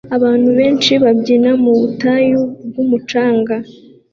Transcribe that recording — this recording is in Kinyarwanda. Abantu benshi babyina mu butayu bwumucanga